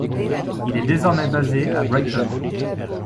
Il est désormais basé à Brighton.